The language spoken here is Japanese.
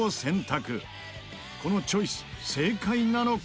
このチョイス正解なのか？